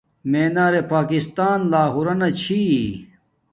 مینار پاکستان لاہورانا چھی